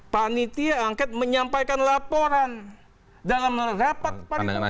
panitia angket menyampaikan laporan dalam rapat paripurna